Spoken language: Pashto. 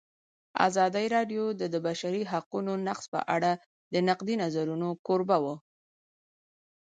ازادي راډیو د د بشري حقونو نقض په اړه د نقدي نظرونو کوربه وه.